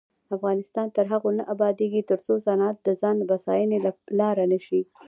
افغانستان تر هغو نه ابادیږي، ترڅو صنعت د ځان بسیاینې لاره نشي.